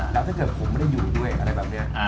แล้วถ้าเกิดผมไม่ได้อยู่ด้วยอะไรแบบนี้